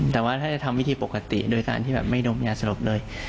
แต่ว่าถ้าจะทำวิธีปกติโดยการที่แบบไม่ดมยาสลบเลย